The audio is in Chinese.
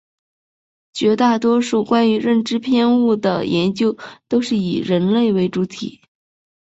绝大多数关于认知偏误的研究都是以人类为主体。